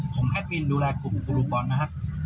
ผมแอฟอินดูแลของเขาดูก่อนนะครับ